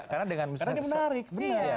karena dia menarik benar